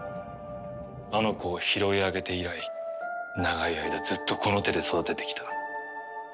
あの子を拾い上げて以来長い間ずっとこの手で育ててきた。